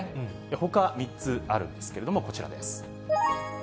ほか３つあるんですけれども、こちらです。